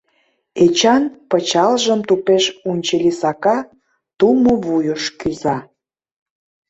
Эчан пычалжым тупеш унчыли сака, тумо вуйыш кӱза.